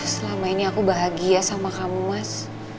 selama ini aku bahagia sama kamu mas